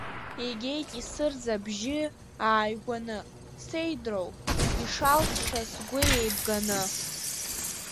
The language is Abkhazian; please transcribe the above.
Игеит асырӡ абжьы ааигәаны, сеидроу, ишалҵша сгәы еибганы.